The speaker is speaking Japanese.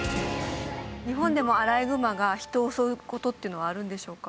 日本でもアライグマが人を襲う事っていうのはあるんでしょうか？